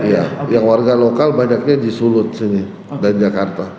iya yang warga lokal banyaknya di sulut sini dan jakarta